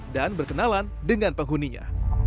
dan berkenalan dengan penghuninya